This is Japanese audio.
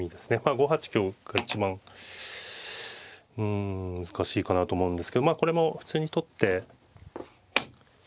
５八香が一番うん難しいかなと思うんですけどまあこれも普通に取って。